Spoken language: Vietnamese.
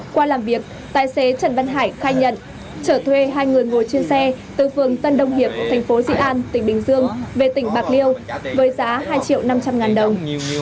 qua làm việc tài xế trần văn hải khai nhận trở thuê hai người ngồi trên xe từ phường tân đông hiệp thành phố dị an tỉnh bình dương về tỉnh bạc liêu với giá hai triệu năm trăm linh ngàn đồng